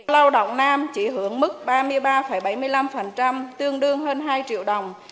lao động nam chỉ hưởng mức ba mươi ba bảy mươi năm tương đương hơn hai triệu đồng